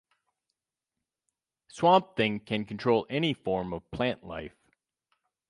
Swamp Thing can control any form of plant life.